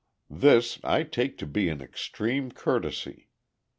This I take to be an extreme courtesy.